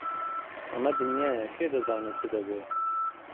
ئەمە دنیایە، کێ دەزانێ چ دەبێ!